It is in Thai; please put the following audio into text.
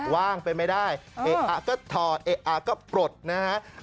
ว่างไปไม่ได้เอ๊ะอะก็ถอดเอ๊ะอะก็ปลดนะฮะ